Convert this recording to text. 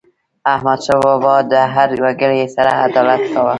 احمدشاه بابا به د هر وګړي سره عدالت کاوه.